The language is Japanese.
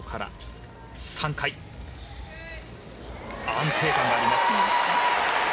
安定感があります。